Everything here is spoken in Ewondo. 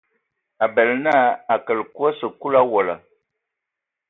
A bələ na a kələ kui a sikulu owola.